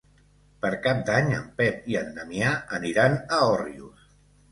Per Cap d'Any en Pep i en Damià aniran a Òrrius.